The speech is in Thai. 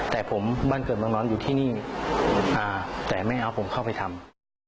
แต่ผมบ้านเกิดเมืองนอนอยู่ที่นี่แต่ไม่เอาผมเข้าไปทำ